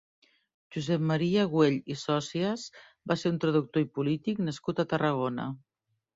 Josep Maria Güell i Socias va ser un traductor i polític nascut a Tarragona.